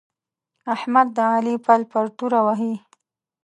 احمد د علي پل پر توره وهي.